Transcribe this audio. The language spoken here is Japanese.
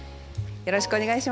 よろしくお願いします。